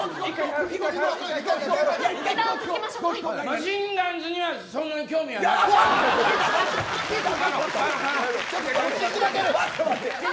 マシンガンズにはそんなに興味なかった。